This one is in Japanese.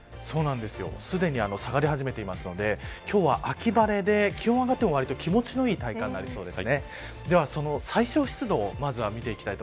すでに下がり始めているので今日は秋晴れで気温が上がってわりと気持ちのいい体感になりそうです。